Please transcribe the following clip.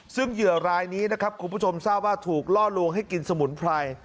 ซึ่งเหยื่อรายนี้นะครับคุณผู้ชมทราบว่าถูกล่อลวงให้กินสมุนไพร